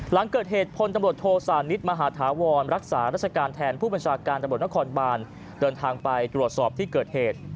หลังเกิดเหตุพลตำรวจโทสานิทมหาธาวรรักษาราชการแทนผู้บัญชาการตำรวจนครบานเดินทางไปตรวจสอบที่เกิดเหตุ